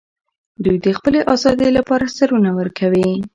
دوی د خپلې ازادۍ لپاره سرونه ورکوي.